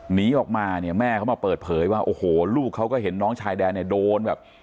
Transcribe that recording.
หนีออกมาเนี่ยแม่เขามาเปิดเผยว่าโอ้โหลูกเขาก็เห็นน้องชายแดนเนี่ยโดนแบบ